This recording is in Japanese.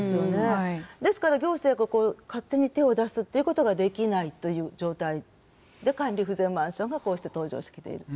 ですから行政がここを勝手に手を出すっていうことができないという状態で管理不全マンションがこうして登場してきている。